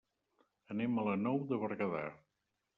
Anem a la Nou de Berguedà.